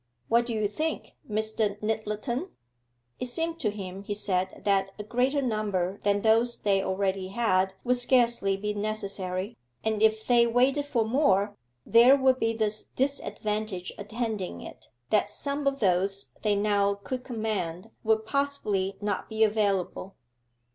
What do you think, Mr. Nyttleton?' It seemed to him, he said, that a greater number than those they already had would scarcely be necessary, and if they waited for more, there would be this disadvantage attending it, that some of those they now could command would possibly not be available.